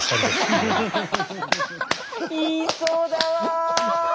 言いそうだわ。